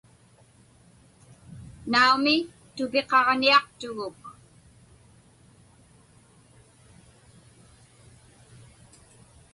Naumi, tupiqaġniaqtuguk.